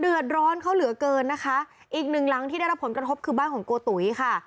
เดือดร้อนเขาเหลือเกินนะคะอีกหนึ่งหลังที่ได้รับผลกระทบคือบ้านของโกตุ๋ยค่ะ